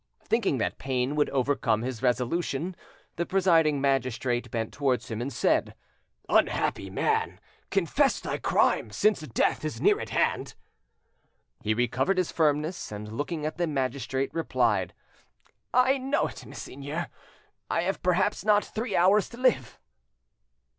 Thinking that pain would overcome his resolution, the presiding magistrate bent towards him, and said: "Unhappy man! confess thy crime, since death is near at hand." He recovered his firmness, and, looking at the magistrate, replied: "I know it, monseigneur; I have perhaps not three hours to live."